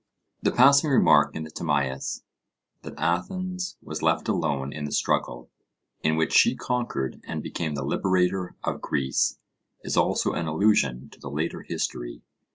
The passing remark in the Timaeus that Athens was left alone in the struggle, in which she conquered and became the liberator of Greece, is also an allusion to the later history.